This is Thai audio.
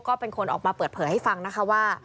ก็เป็นคนออกมาเปิดเผยให้ฟังนะคะว่า